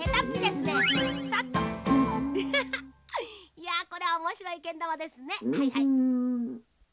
いやこれはおもしろいけんだまですね。